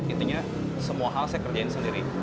intinya semua hal saya kerjain sendiri